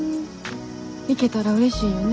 行けたらうれしいんよね。